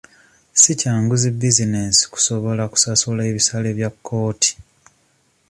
Si kyangu zi bizinensi kusobola kusasula ebisale bya kkooti.